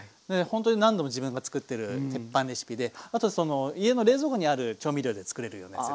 ほんとに何度も自分が作ってる鉄板レシピであとその家の冷蔵庫にある調味料で作れるようなやつですね。